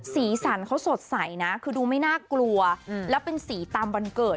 สีสันเขาสดใสนะคือดูไม่น่ากลัวแล้วเป็นสีตามวันเกิด